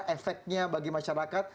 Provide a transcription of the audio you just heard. efeknya bagi masyarakat